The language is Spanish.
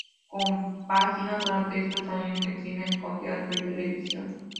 Compagina, durante estos años, en cine con teatro y televisión.